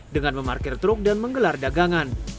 dengan memarkir truk dan menggelar dagangan